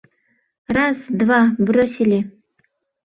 — Рас-два... бросили!